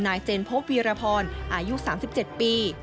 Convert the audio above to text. นายเจนโภพวีรพรอายุ๓๗ปี